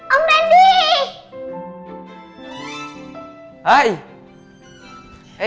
aku harus pergi aku harus pergi